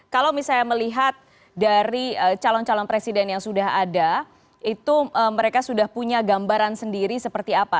kalau misalnya melihat dari calon calon presiden yang sudah ada itu mereka sudah punya gambaran sendiri seperti apa